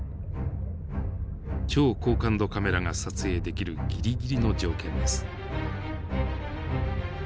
超高感度カメラが撮影できるギリギリの条件です。